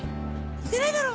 似てないだろ！